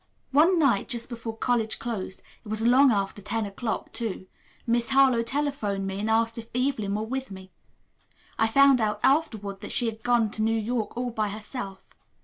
One night, just before college closed it was long after ten o'clock, too Miss Harlowe telephoned me and asked if Evelyn were with me. I found out afterward that she had gone to New York all by herself.